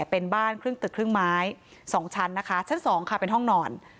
เป็นบ้านครึ่งตึกครึ่งไม้๒ชั้นนะคะชั้น๒ค่ะเป็นห้องนอน